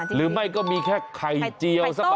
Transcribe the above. หรือไม่ก็มีแค่ไข่เจียวสัก